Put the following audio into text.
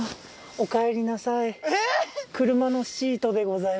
おかえりなさい。